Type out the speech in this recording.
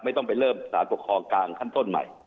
ต้องไปเริ่มสารปกครองกลางขั้นต้นใหม่